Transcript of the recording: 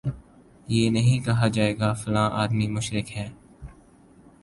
یہ نہیں کہا جائے گا فلاں آدمی مشرک ہے